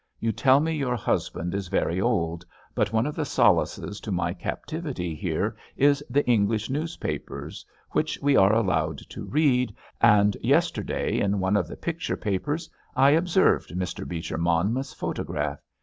You tell me your husband is very old, but one of the solaces to my captivity here is the English newspapers, which we are allowed to read, and yesterday, in one of the picture papers, I observed Mr. Beecher Monmouth's photograph.